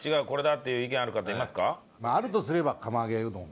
まああるとすれば釜揚げうどん。